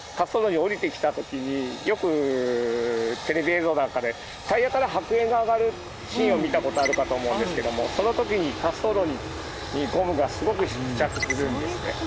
よくテレビ映像なんかでタイヤから白煙が上がるシーンを見た事あるかと思うんですけどもその時に滑走路にゴムがすごく付着するんですね。